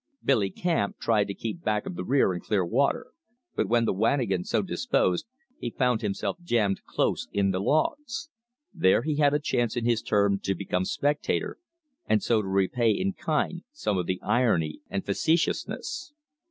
Billy Camp tried to keep back of the rear in clear water, but when the wanigan so disposed, he found himself jammed close in the logs. There he had a chance in his turn to become spectator, and so to repay in kind some of the irony and facetiousness.